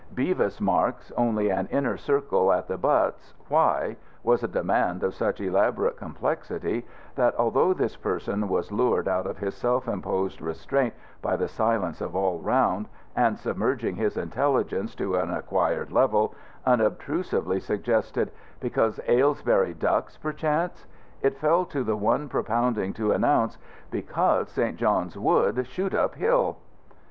"Bevis Marks only an Inner Circle at The Butts; why?" was a demand of such elaborate complexity that (although this person was lured out of his self imposed restraint by the silence of all round, and submerging his intelligence to an acquired level, unobtrusively suggested, "Because Aylesbury ducks, perchance") it fell to the one propounding to announce, "Because St. John's Wood Shoot up Hill."